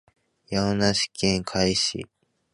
山梨県甲斐市